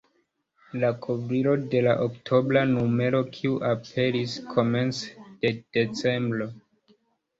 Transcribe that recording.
La kovrilo de la oktobra numero, kiu aperis komence de decembro.